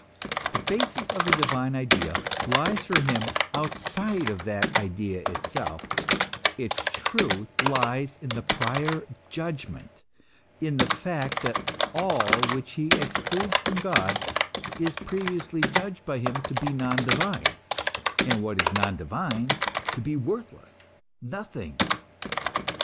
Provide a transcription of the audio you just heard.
The basis of the divine idea lies for him outside of that idea itself; its truth lies in the prior judgment, in the fact that all which he excludes from God is previously judged by him to be non divine, and what is non divine to be worthless, nothing.